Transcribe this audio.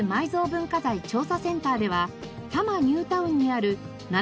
文化財調査センターでは多摩ニュータウンにある７７０